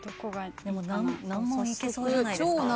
難問いけそうじゃないですか？